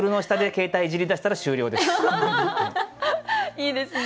いいですね。